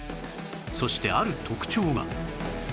そしてある特徴が